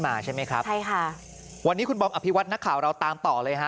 มาใช่ไหมครับใช่ค่ะวันนี้คุณบอมอภิวัตนักข่าวเราตามต่อเลยฮะ